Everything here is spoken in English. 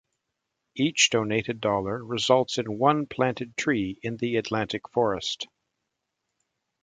Each donated dollar results in one planted tree in the Atlantic Forest.